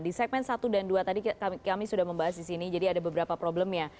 di segmen satu dan dua tadi kami sudah membahas di sini jadi ada beberapa problemnya